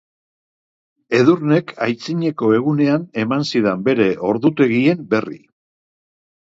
Edurnek aitzineko egunean eman zidan bere ordutegien berri.